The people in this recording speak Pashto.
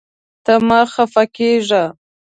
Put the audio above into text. ته مه خفه کېږه.